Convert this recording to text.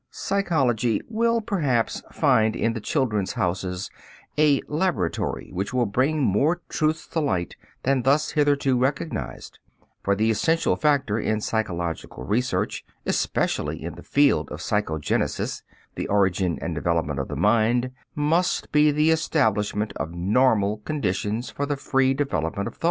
[B] Psychology will perhaps find in the "Children's Houses" a laboratory which will bring more truths to light than thus hitherto recognized; for the essential factor in psychological research, especially in the field of psychogenesis, the origin and development of the mind, must be the establishment of normal conditions for the free development of thought.